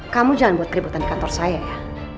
kamu jangan buat keributan di kantor saya ya